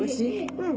うん。